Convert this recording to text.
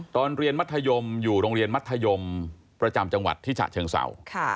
ตอนเรียนมัธยมอยู่โรงเรียนมัธยมประจำจังหวัดที่ฉะเชิงเศร้า